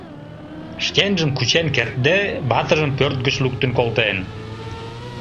Шкенжым кучен кертде, ватыжым пӧрт гыч луктын колтен.